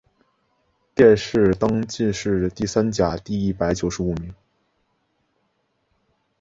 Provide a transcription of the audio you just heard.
殿试登进士第三甲第一百九十五名。